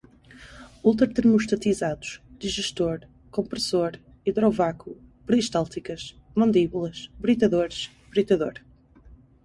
ultratermostatizados, digestor, compressor, hidrovácuo, peristálticas, mandíbulas, britadores, britador